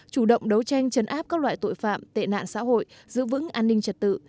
chủ động đấu tranh chấn áp các loại tội phạm tệ nạn xã hội giữ vững an ninh trật tự